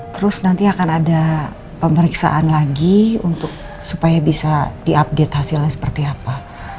terus nanti akan ada pemeriksaan lagi untuk supaya bisa diupdate hasilnya seperti apa